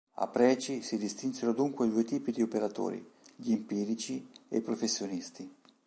A Preci si distinsero dunque due tipi di operatori: gli empirici e i professionisti.